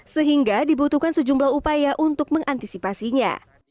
sehingga dibutuhkan sejumlah upaya untuk mengantisipasinya